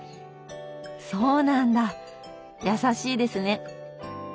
そうなんだ優しいですね。